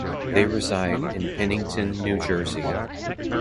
They reside in Pennington, New Jersey.